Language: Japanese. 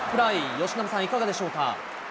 由伸さん、いかがでしょうか。